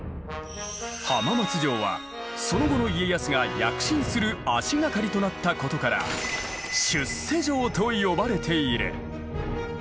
浜松城はその後の家康が躍進する足掛かりとなったことから「出世城」と呼ばれている。